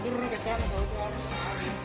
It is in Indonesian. turun turun ke sana